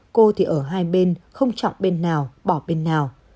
cô thì ở hai bên không chọn bên nào bỏ bên nào